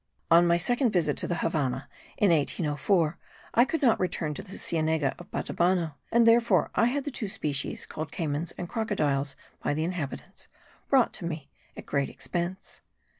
On my second visit to the Havannah, in 1804, I could not return to the Sienega of Batabano; and therefore I had the two species, called caymans and crocodiles by the inhabitants, brought to me, at a great expense.